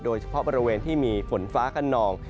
โดยเฉพาะบริเวณที่มีฝนฟ้าขนอง